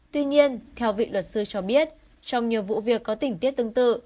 tuy nhiên theo vị luật sư cho biết trong nhiều vụ việc có tỉnh tiết tương tự